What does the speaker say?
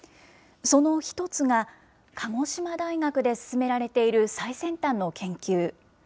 その一つが、鹿児島大学で進められている最先端の研究。